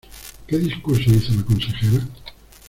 ¿Qué discurso hizo la consejera?